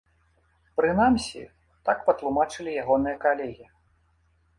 Прынамсі, так патлумачылі ягоныя калегі.